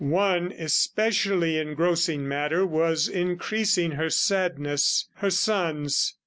One especially engrossing matter was increasing her sadness. Her sons.